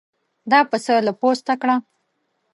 دا پسه له پوسته کړه.